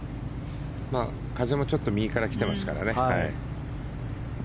風もちょっと右から来てますからね。